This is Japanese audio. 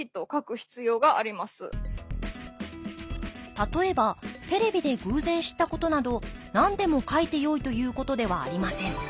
例えばテレビで偶然知ったことなど何でも書いてよいということではありません。